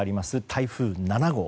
台風７号。